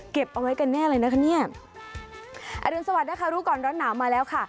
เอาไว้กันแน่เลยนะคะเนี่ยอรุณสวัสดินะคะรู้ก่อนร้อนหนาวมาแล้วค่ะ